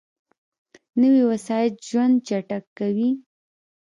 نوې وسایط ژوند چټک کوي